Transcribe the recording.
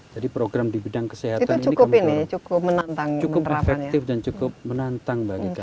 jadi program di bidang kesehatan ini cukup efektif dan cukup menantang bagi kami